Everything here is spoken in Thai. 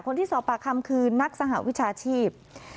คนที่สอบปากคำคือนักสหวิชาชีพ